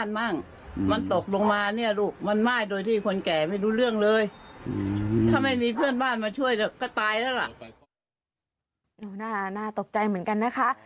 น่าตกใจเหมือนกันนะคะ